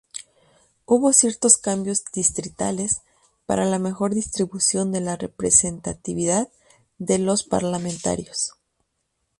Hubo ciertos cambios distritales para la mejor distribución de la representatividad de los parlamentarios.